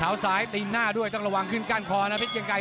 ซ้ายตีนหน้าด้วยต้องระวังขึ้นก้านคอนะเพชรเกียงไกร